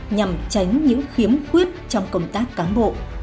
nhằm tránh những khiếm khuyết trong công tác cán bộ